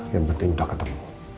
yang penting udah ketemu